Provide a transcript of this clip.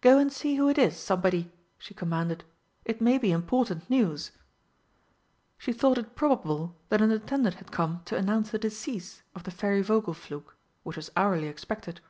"Go and see who it is, somebody," she commanded, "it may be important news." She thought it probable that an attendant had come to announce the decease of the Fairy Vogelflug, which was hourly expected.